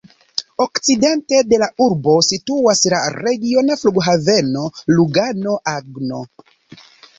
Okcidente de la urbo situas la regiona Flughaveno Lugano-Agno.